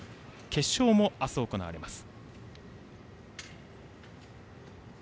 決勝も明日、行われます。